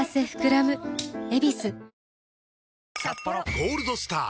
「ゴールドスター」！